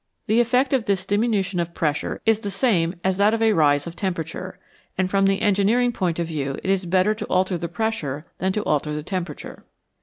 The effect of this diminution of pressure is the same as that of a rise of temperature, and from the engineering point of view it is better to alter the pressure than to alter the temperature.